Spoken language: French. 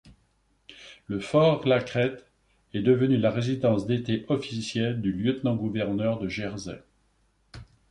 Le Fort La Crête est devenu la résidence d'été officielle du lieutenant-gouverneur de Jersey.